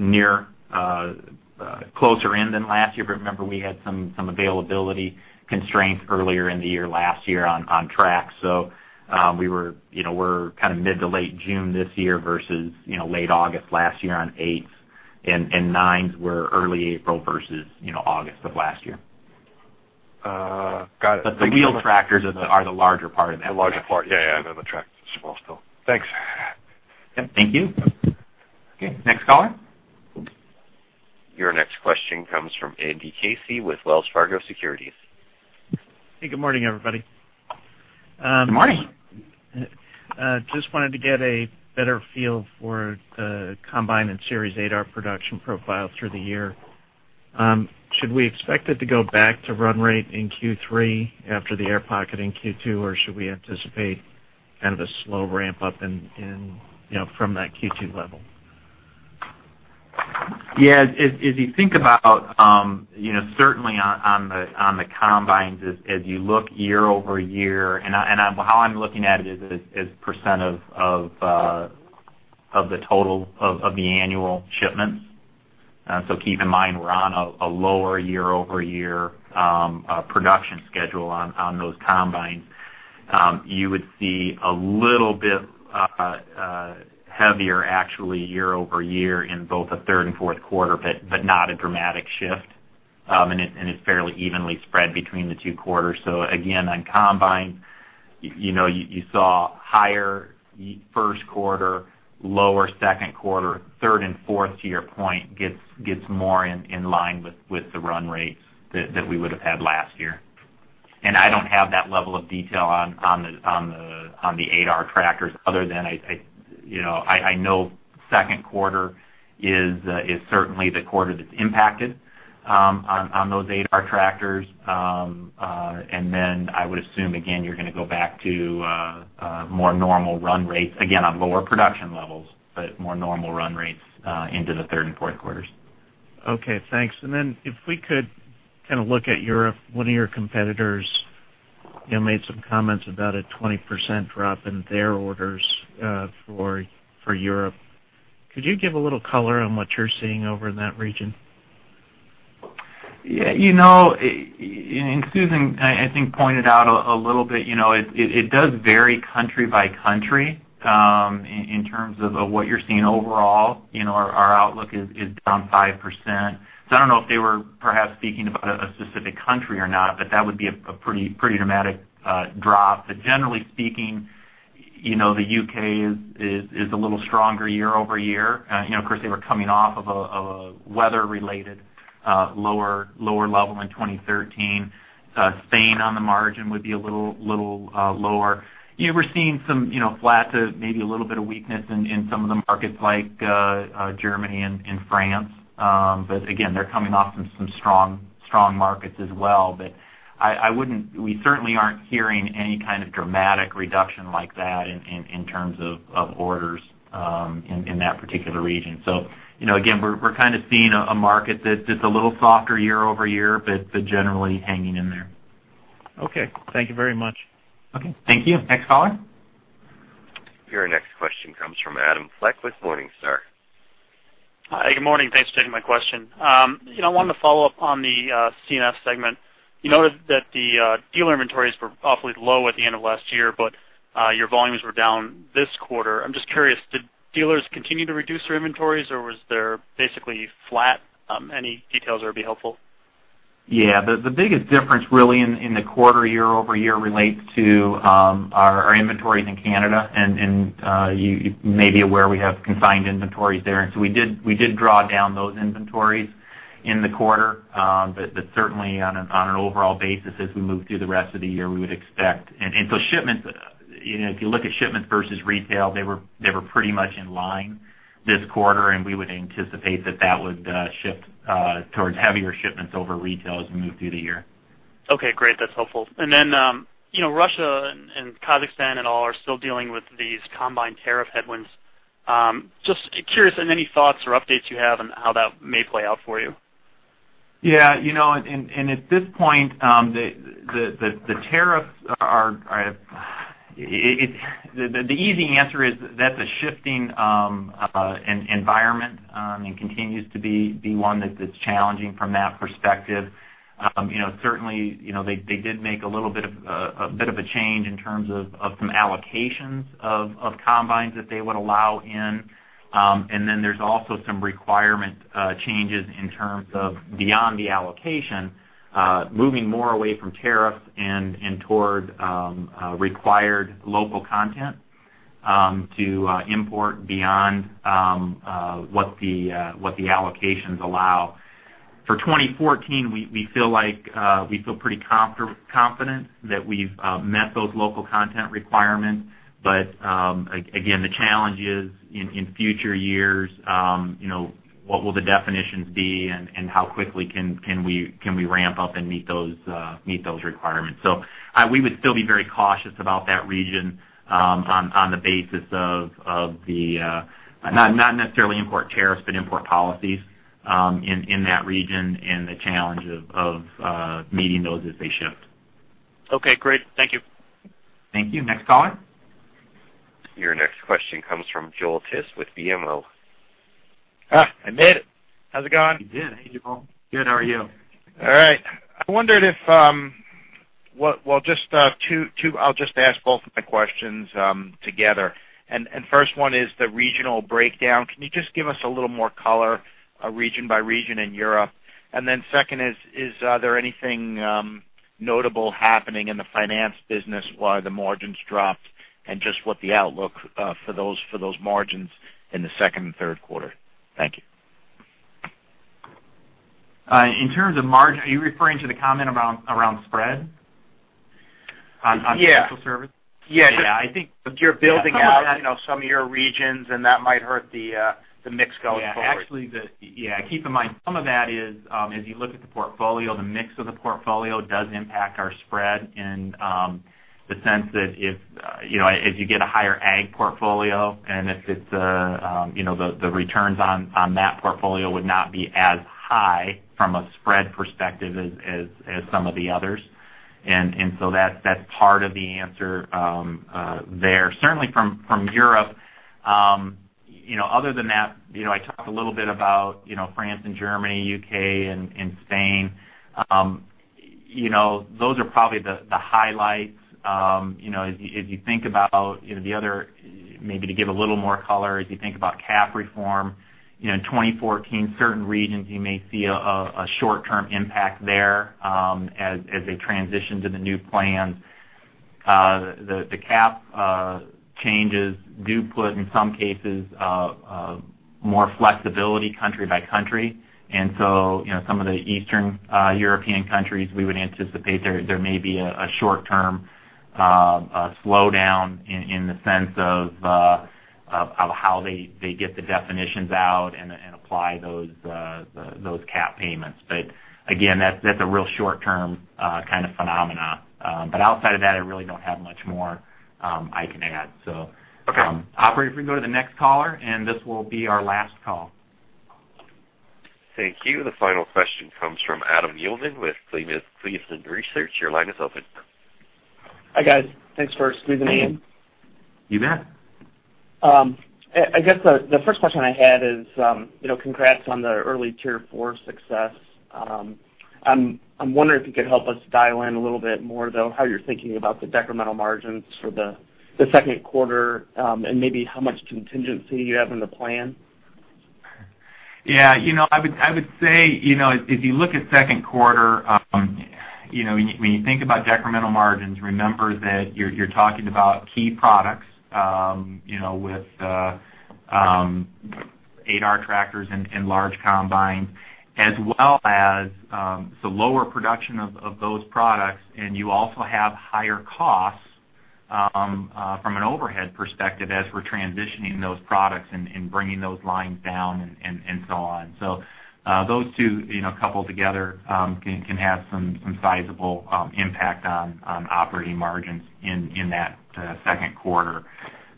in than last year. Remember, we had some availability constraints earlier in the year, last year on tracks. We're mid to late June this year versus late August last year on eights, and nines were early April versus August of last year. Got it. The wheel tractors are the larger part of that. The larger part. Yeah. The tractors are small still. Thanks. Yep. Thank you. Okay. Next caller. Your next question comes from Andrew Casey with Wells Fargo Securities. Hey, good morning, everybody. Good morning. Just wanted to get a better feel for the combine and series 8R production profile through the year. Should we expect it to go back to run rate in Q3 after the air pocket in Q2? Should we anticipate kind of a slow ramp up from that Q2 level? Yeah. As you think about certainly on the combines as you look year-over-year, how I'm looking at it is % of the total of the annual shipments. Keep in mind, we're on a lower year-over-year production schedule on those combines. You would see a little bit heavier actually year-over-year in both the third and fourth quarter, but not a dramatic shift. It's fairly evenly spread between the two quarters. Again, on combine, you saw higher first quarter, lower second quarter, third and fourth to your point gets more in line with the run rates that we would have had last year. I don't have that level of detail on the 8R tractors other than I know second quarter is certainly the quarter that's impacted on those 8R tractors. I would assume, again, you're going to go back to more normal run rates, again, on lower production levels, but more normal run rates into the third and fourth quarters. Okay, thanks. If we could kind of look at Europe, one of your competitors made some comments about a 20% drop in their orders for Europe. Could you give a little color on what you're seeing over in that region? Yeah. Susan, I think, pointed out a little bit. It does vary country by country in terms of what you're seeing overall. Our outlook is down 5%. I don't know if they were perhaps speaking about a specific country or not, but that would be a pretty dramatic drop. Generally speaking, the U.K. is a little stronger year-over-year. Of course, they were coming off of a weather-related lower level in 2013. Spain on the margin would be a little lower. We're seeing some flat to maybe a little bit of weakness in some of the markets like Germany and France. Again, they're coming off from some strong markets as well. We certainly aren't hearing any kind of dramatic reduction like that in terms of orders in that particular region. Again, we're kind of seeing a market that's a little softer year-over-year, generally hanging in there. Okay. Thank you very much. Okay. Thank you. Next caller. Your next question comes from Adam Fleck with Morningstar. Hi. Good morning. Thanks for taking my question. I wanted to follow up on the C&F segment. You noted that the dealer inventories were awfully low at the end of last year, but your volumes were down this quarter. I'm just curious, did dealers continue to reduce their inventories, or was there basically flat? Any details there would be helpful. Yeah. The biggest difference really in the quarter year-over-year relates to our inventories in Canada. You may be aware we have consigned inventories there. We did draw down those inventories in the quarter. Certainly on an overall basis, as we move through the rest of the year, we would expect. If you look at shipments versus retail, they were pretty much in line this quarter, and we would anticipate that that would shift towards heavier shipments over retail as we move through the year. Okay, great. That's helpful. Russia and Kazakhstan and all are still dealing with these combine tariff headwinds. Just curious on any thoughts or updates you have on how that may play out for you. Yeah. The easy answer is that the shifting environment continues to be one that's challenging from that perspective. Certainly, they did make a little bit of a change in terms of some allocations of combines that they would allow in. There's also some requirement changes in terms of beyond the allocation, moving more away from tariffs and toward required local content to import beyond what the allocations allow. For 2014, we feel pretty confident that we've met those local content requirements. Again, the challenge is in future years, what will the definitions be and how quickly can we ramp up and meet those requirements? We would still be very cautious about that region on the basis of the, not necessarily import tariffs, but import policies in that region and the challenge of meeting those as they shift. Okay, great. Thank you. Thank you. Next caller. Your next question comes from Joel Tiss with BMO. I made it. How's it going? You did. Hey, Joel. Good. How are you? All right. I wondered. I'll just ask both of my questions together. First one is the regional breakdown. Can you just give us a little more color region by region in Europe? Second is there anything notable happening in the finance business? Why the margins dropped and just what the outlook for those margins in the second and third quarter? Thank you. In terms of margin, are you referring to the comment around spread on financial service? Yeah. Yeah, I think. You're building out some of your regions, that might hurt the mix going forward. Yeah. Keep in mind some of that is as you look at the portfolio, the mix of the portfolio does impact our spread in the sense that if you get a higher ag portfolio if the returns on that portfolio would not be as high from a spread perspective as some of the others. That's part of the answer there, certainly from Europe. Other than that, I talked a little bit about France and Germany, U.K. and Spain. Those are probably the highlights. As you think about the other, maybe to give a little more color, as you think about CAP reform, 2014, certain regions you may see a short-term impact there as they transition to the new plan. The CAP changes do put, in some cases, more flexibility country by country. Some of the Eastern European countries, we would anticipate there may be a short-term slowdown in the sense of how they get the definitions out and apply those CAP payments. Again, that's a real short-term kind of phenomena. Outside of that, I really don't have much more I can add. Okay. Operator, if we can go to the next caller, this will be our last call. Thank you. The final question comes from Adam Uhlman with Cleveland Research. Your line is open. Hi, guys. Thanks for squeezing me in. You bet. I guess the first question I had is congrats on the early Tier 4 success. I'm wondering if you could help us dial in a little bit more, though, how you're thinking about the decremental margins for the second quarter and maybe how much contingency you have in the plan. I would say, if you look at second quarter, when you think about decremental margins, remember that you're talking about key products with 8R tractors and large combines, as well as the lower production of those products. You also have higher costs from an overhead perspective as we're transitioning those products and bringing those lines down and so on. Those two coupled together can have some sizable impact on operating margins in that second quarter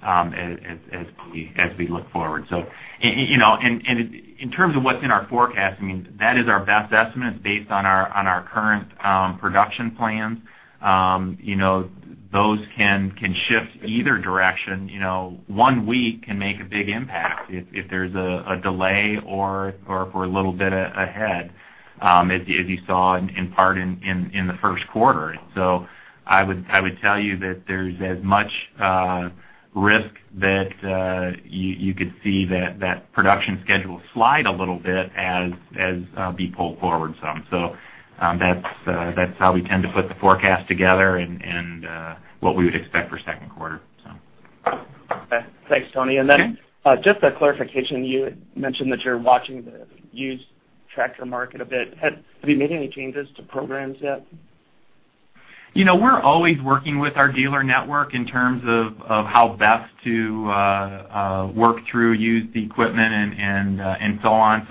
as we look forward. In terms of what's in our forecast, that is our best estimate based on our current production plans. Those can shift either direction. One week can make a big impact if there's a delay or if we're a little bit ahead, as you saw in part in the first quarter. I would tell you that there's as much risk that you could see that production schedule slide a little bit as be pulled forward some. That's how we tend to put the forecast together and what we would expect for second quarter. Okay. Thanks, Tony. Just a clarification. You had mentioned that you're watching the used tractor market a bit. Have you made any changes to programs yet? We're always working with our dealer network in terms of how best to work through used equipment and so on.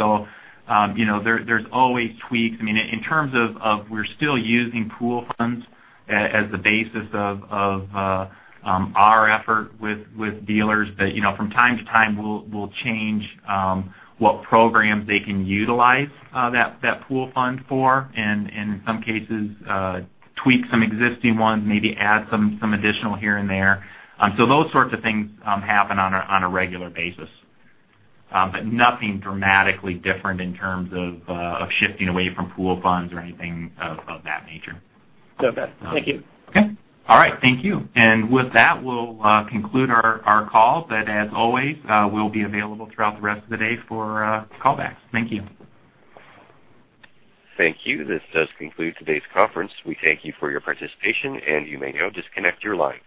There's always tweaks. In terms of we're still using pool funds as the basis of our effort with dealers. From time to time, we'll change what programs they can utilize that pool fund for and in some cases, tweak some existing ones, maybe add some additional here and there. Those sorts of things happen on a regular basis. Nothing dramatically different in terms of shifting away from pool funds or anything of that nature. Okay. Thank you. Okay. All right. Thank you. With that, we'll conclude our call. As always, we'll be available throughout the rest of the day for callbacks. Thank you. Thank you. This does conclude today's conference. We thank you for your participation, you may now disconnect your line.